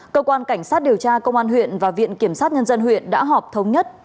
cơ quan cảnh sát điều tra công an huyện và viện kiểm sát nhân dân huyện đã họp thống nhất